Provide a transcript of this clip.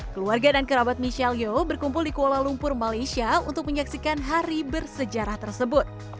keluarga dan kerabat michelleo berkumpul di kuala lumpur malaysia untuk menyaksikan hari bersejarah tersebut